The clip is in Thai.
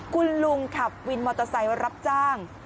คุณลุงขับวินมอเตอร์ไซค์รับจ้าง